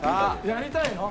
やりたいの？